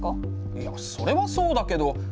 いやそれはそうだけどあれ？